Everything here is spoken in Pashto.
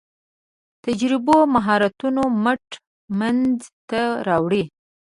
تجربو مهارتونو مټ منځ ته راوړي.